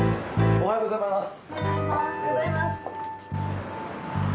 おはようございます。